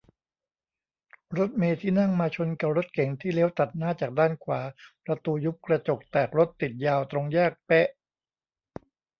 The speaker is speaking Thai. รถเมล์ที่นั่งมาชนกะรถเก๋งที่เลี้ยวตัดหน้าจากด้านขวา ประตูยุบ กระจกแตก รถติดยาว ตรงแยกเป๊ะ